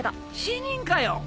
死人かよ！